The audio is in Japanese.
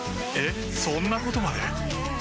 えっそんなことまで？